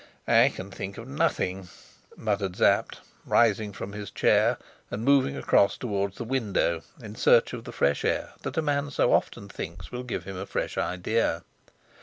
"I can think of nothing," muttered Sapt, rising from his chair and moving across towards the window in search of the fresh air that a man so often thinks will give him a fresh idea.